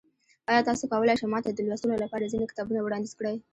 ایا تاسو کولی شئ ما ته د لوستلو لپاره ځینې کتابونه وړاندیز کړئ؟